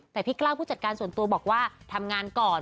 แต่พี่กล้าวผู้จัดการส่วนตัวบอกว่าทำงานก่อน